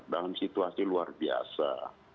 dalam situasi luar biasa